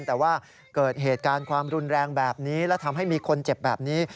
แต่ว่าเกิดเหตุการณ์ความรุนแรงแบบนี้และทำให้มีคนเจ็บแบบนี้